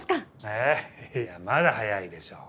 えいやまだ早いでしょう。